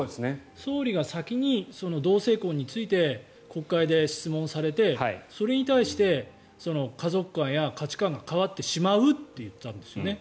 総理が先に同性婚について国会で質問されてそれに対して、家族観や価値観が変わってしまうって言ったんですよね。